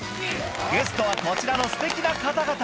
ゲストはこちらのすてきな方々。